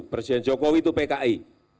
presiden jokowi itu pki